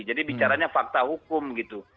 jadi bicaranya fakta hukum gitu